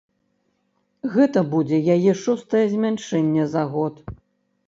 Гэта будзе яе шостае змяншэнне за год.